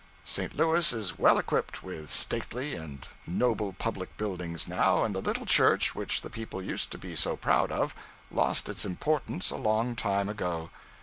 St. Louis is well equipped with stately and noble public buildings now, and the little church, which the people used to be so proud of, lost its importance a long time ago.